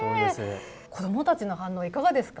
子どもたちの反応、いかがですか。